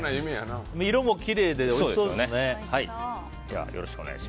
色もきれいでおいしそうですね